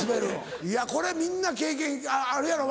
いやこれみんな経験あるやろ？